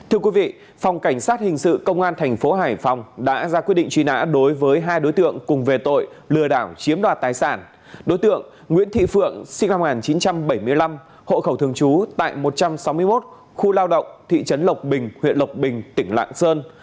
hộ khẩu thường chú tại một trăm sáu mươi một khu lao động thị trấn lộc bình huyện lộc bình tỉnh lạng sơn